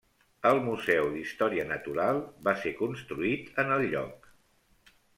El Museu d'Història Natural, va ser construït en el lloc.